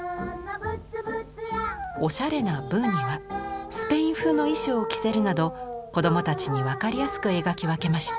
おしゃれなブーにはスペイン風の衣装を着せるなど子どもたちに分かりやすく描き分けました。